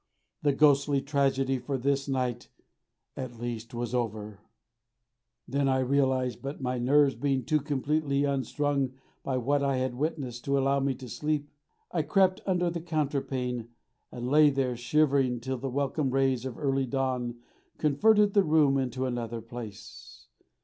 The ghostly tragedy for this night at least was over. This I realised, but my nerves being too completely unstrung by what I had witnessed to allow me to sleep, I crept under the counterpane and lay there shivering till the welcome rays of early dawn converted the room into another place.